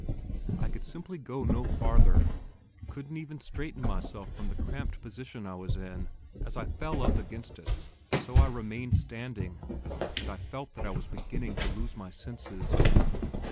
I could simply go no farther, couldn't even straighten myself from the cramped position I was in. As I fell up against it, so I remained standing, and I felt that I was beginning to lose my senses.